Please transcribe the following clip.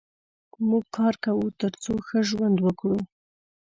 موږ کار کوو تر څو ښه ژوند وکړو.